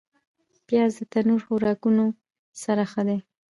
پیاز د تندور خوراکونو سره ښه وي